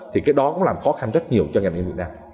thì cái đó cũng làm khó khăn rất nhiều cho ngành in việt nam